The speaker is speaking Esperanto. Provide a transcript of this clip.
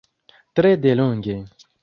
Tre delonge.